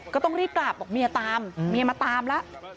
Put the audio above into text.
ก็ต้องรีบกลับบอกเมียตามเมียมาตามแล้ว